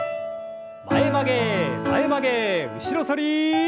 前曲げ前曲げ後ろ反り。